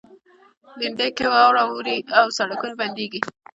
لېندۍ کې واوره اوري او سړکونه بندیږي.